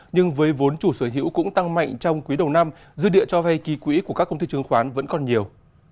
nhưng với vốn chủ sở hữu cũng tăng mạnh trong quý đầu năm dư địa cho vay ký quỹ của các công ty chứng khoán vẫn còn nhiều